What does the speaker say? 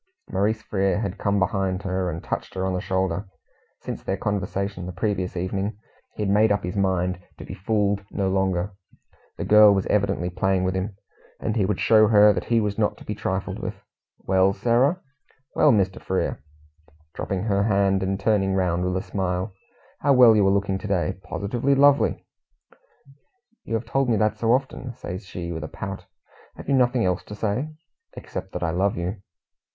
Maurice Frere had come behind her and touched her on the shoulder. Since their conversation the previous evening, he had made up his mind to be fooled no longer. The girl was evidently playing with him, and he would show her that he was not to be trifled with. "Well, Sarah!" "Well, Mr. Frere," dropping her hand, and turning round with a smile. "How well you are looking to day! Positively lovely!" "You have told me that so often," says she, with a pout. "Have you nothing else to say?" "Except that I love you."